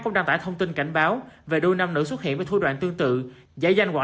cũng đăng tải thông tin cảnh báo về đôi nam nữ xuất hiện với thu đoạn tương tự giải danh quả